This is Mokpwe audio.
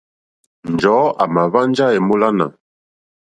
Njɔ̀ɔ́ àmà hwánjá èmólánà.